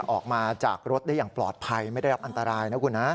ออกมาจากรถได้อย่างปลอดภัยไม่ได้รับอันตรายนะคุณนะ